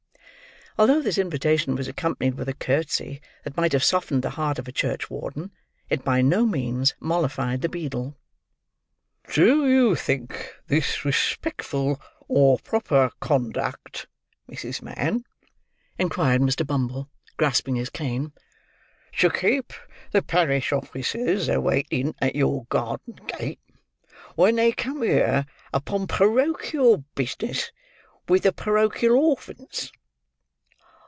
Although this invitation was accompanied with a curtsey that might have softened the heart of a church warden, it by no means mollified the beadle. "Do you think this respectful or proper conduct, Mrs. Mann," inquired Mr. Bumble, grasping his cane, "to keep the parish officers a waiting at your garden gate, when they come here upon porochial business with the porochial orphans?